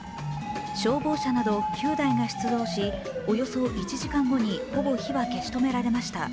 消防車など９台が出動し、およそ１時間後にほぼ火は消し止められました。